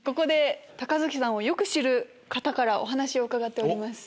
高杉さんをよく知る方からお話を伺っております。